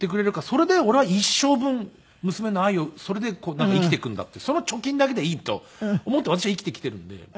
それで俺は一生分娘の愛をそれで生きていくんだってその貯金だけでいいと思って私は生きてきているんで。